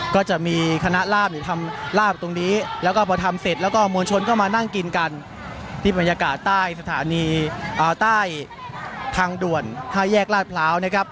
ก็จะมีคณะลาบเนี่ยทำลาบตรงนี้แล้วก็พอทำเสร็จแล้วก็มวลชนก็มานั่งกินกันที่บรรยากาศใต้สถานีใต้ทางด่วน๕แยกลาดพร้าวนะครับ